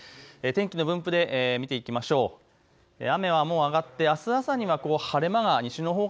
天気の分布で見ていきましょう。